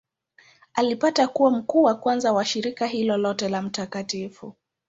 Alipata kuwa mkuu wa kwanza wa shirika hilo lote la Mt.